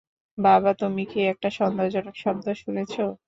বাবা, তুমি কি একটা সন্দেহজনক শব্দ শুনেছ?